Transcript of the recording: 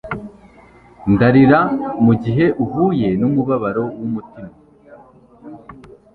ndarira mugihe uhuye numubabaro wumutima